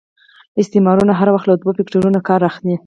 استعمارونه هر وخت له دوه فکټورنو کار اخلي.